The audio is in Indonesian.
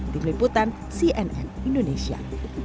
tim liputan cnn indonesia